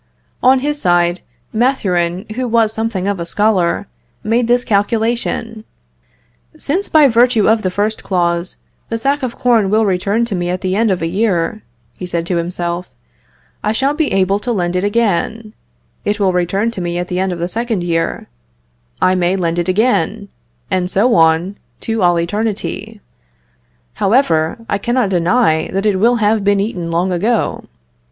On his side, Mathurin, who was something of a scholar, made this calculation: "Since, by virtue of the first clause, the sack of corn will return to me at the end of a year," he said to himself, "I shall be able to lend it again; it will return to me at the end of the second year; I may lend it again, and so on, to all eternity. However, I cannot deny that it will have been eaten long ago.